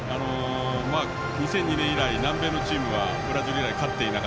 ２００２年以来、南米のチームはブラジル以外、勝っていない。